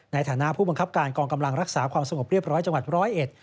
ในฐานะผู้บังคับการกองกำลังรักษาความสงบเรียบร้อยจังหวัดร้อยเอ็ด